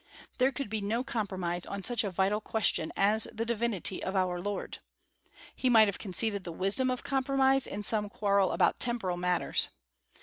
There could be no compromise on such a vital question as the divinity of our Lord. He might have conceded the wisdom of compromise in some quarrel about temporal matters.